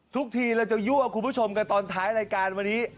ทีเราจะยั่วคุณผู้ชมกันตอนท้ายรายการวันนี้